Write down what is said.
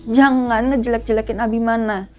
jangan ngejelek jelekin abimana